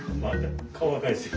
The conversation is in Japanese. ・顔赤いですよ。